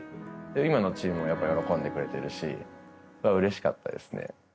今のチームもやっぱ喜んでくれてるし嬉しかったですね